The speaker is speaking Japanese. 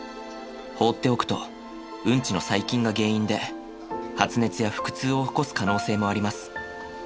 放っておくとウンチの細菌が原因で発熱や腹痛を起こす可能性もあります。